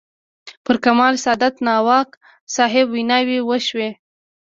پر کمال سادات، ناوک صاحب ویناوې وشوې.